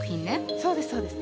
そうですそうです。